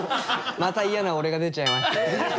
また嫌な俺が出ちゃいましたね。